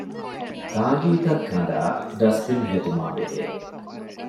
ތާނގީތައް ކަނޑައި ޑަސްބިން ހެދުމާބެހޭ